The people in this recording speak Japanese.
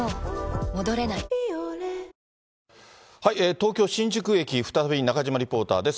東京・新宿駅、再び中島リポーターです。